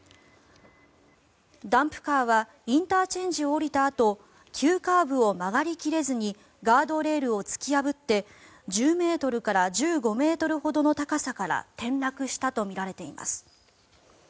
ダンプカーはインターチェンジを降りたあと急カーブを曲がり切れずにガードレールを突き破って１０ｍから１５ｍほどの高さから転落したとみられています。